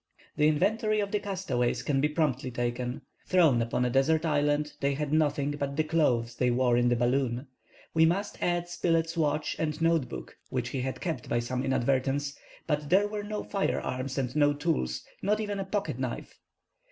The inventory of the castaways can be promptly taken. Thrown upon a desert coast, they had nothing but the clothes they wore in the balloon. We must add Spilett's watch and note book, which he had kept by some inadvertence; but there were no firearms and no tools, not even a pocket knife.